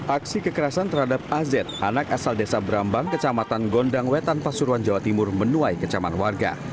aksi kekerasan terhadap az anak asal desa brambang kecamatan gondang wetan pasuruan jawa timur menuai kecaman warga